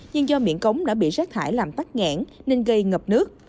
nhưng do miệng cống đã bị rác thải làm tắt nghẽn nên gây ngập nước